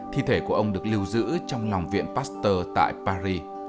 thi thể của ông được lưu giữ trong lòng viện pasteur tại paris